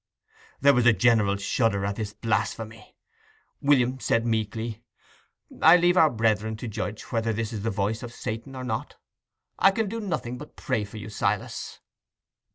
There was a general shudder at this blasphemy. William said meekly, "I leave our brethren to judge whether this is the voice of Satan or not. I can do nothing but pray for you, Silas."